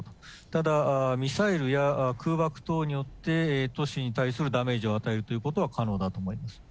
ただミサイルや空爆等によって、都市に対するダメージを与えるということは可能だと思います。